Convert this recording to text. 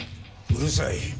うるさい。